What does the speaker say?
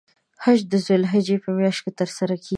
حج د ذوالحجې په میاشت کې تر سره کیږی.